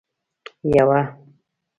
یوه